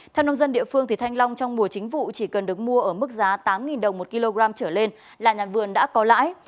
theo nông dân địa phương thanh long trong mùa chính vụ chỉ cần được mua ở mức giá tám đồng một kg trở lên là nhà vườn đã có lãi